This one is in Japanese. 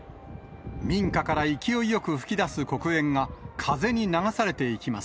民家から勢いよく噴き出す黒煙が風に流されていきます。